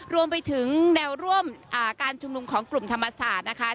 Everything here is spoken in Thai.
รวมไปถึงแนวร่วมการชุมนุมของกลุ่มธรรมศาสตร์นะคะ